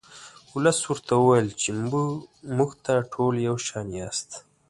ولس ورته وویل چې موږ ته ټول یو شان یاست.